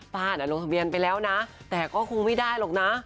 ลงทะเบียนไปแล้วนะแต่ก็คงไม่ได้หรอกนะ